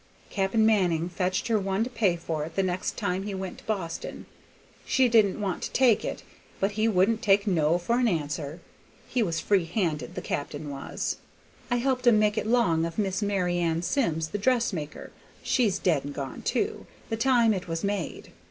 Cap'n Manning fetched her one to pay for it the next time he went to Boston. She didn't want to take it, but he wouldn't take no for an answer; he was free handed, the cap'n was. I helped 'em make it 'long of Mary Ann Simms the dressmaker, she's dead and gone too, the time it was made.